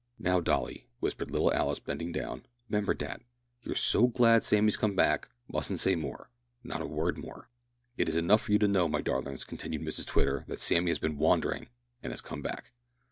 "Now, dolly," whispered little Alice, bending down, "'member dat you're so glad Sammy's come back; mustn't say more not a word more." "It is enough for you to know, my darlings," continued Mrs Twitter, "that Sammy has been wandering and has come back."